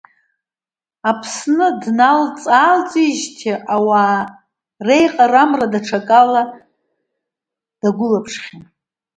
Аԥсны дналҵ-аалҵижьҭеи, ауаа реиҟарамра даҽакала дагәылаԥшхьан.